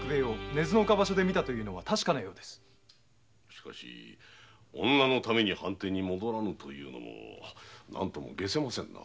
しかし女のために藩邸に戻らぬというのも解せませぬな。